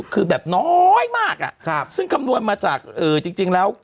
คือแบบน้อยมากอ่ะครับซึ่งกำลังมาจากเออจริงจริงแล้ว